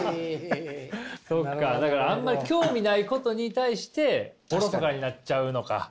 そっかだからあんまり興味ないことに対しておろそかになっちゃうのか。